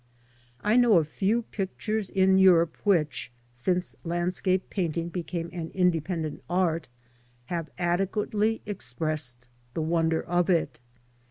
I know of few pictures in Europe which, since landscape painting became an independent art, have adequately expressed the wonder of it.